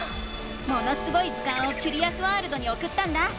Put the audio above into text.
「ものすごい図鑑」をキュリアスワールドにおくったんだ。